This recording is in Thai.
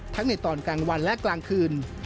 ในตอนกลางวันและกลางคืน